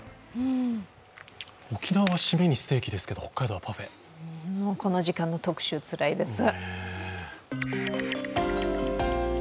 沖縄はシメにステーキですけど、この時間の特集、つらいです。